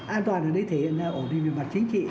an toàn là để thể hiện ổn định về mặt chính trị